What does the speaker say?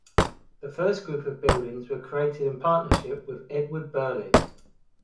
"The first group of buildings were created in partnership with Edward Burling:"